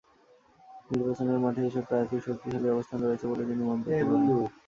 নির্বাচনের মাঠে এসব প্রার্থীর শক্তিশালী অবস্থান রয়েছে বলে তিনি মন্তব্য করেন।